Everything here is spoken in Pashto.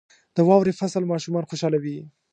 • د واورې فصل ماشومان خوشحالوي.